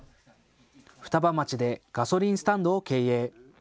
双葉町でガソリンスタンドを経営。